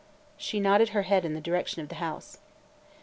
She nodded her head in the direction of the house.